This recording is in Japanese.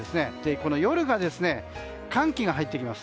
この夜が、寒気が入ってきます。